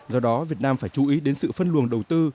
do đó việt nam phải chú ý đến sự phân luồng đầu tư